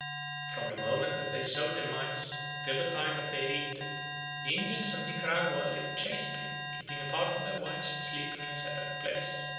From the moment that they sowed the maize till the time that they reaped it, the Indians of Nicaragua lived chastely, keeping apart from their wives and sleeping in a separate place.